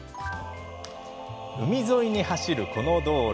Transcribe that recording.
海沿いに走る、この道路。